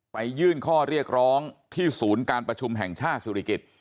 ยื่นข้อเรียกร้องที่ศูนย์การประชุมแห่งชาติสุริกิจ